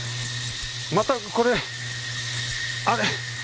またこれあれ？